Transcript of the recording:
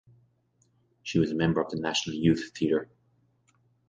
She was a member of the National Youth Theatre.